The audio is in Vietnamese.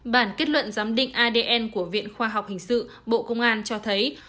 bản kết luận giám định adn của viện khoa học hình sự bộ công an cho thấy